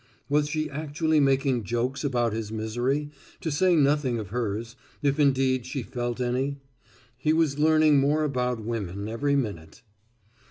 Was she actually making jokes about his misery to say nothing of hers if indeed she felt any? He was learning more about women every minute.